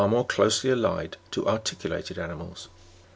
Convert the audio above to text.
81 more closely allied to articulated animals.